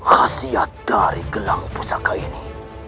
khasiat dari gelang pusaka ini